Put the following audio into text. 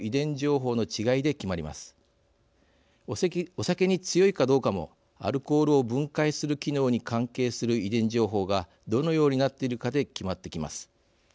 お酒に強いかどうかもアルコールを分解する機能に関係する遺伝情報がどのようになっているかで決まってきます。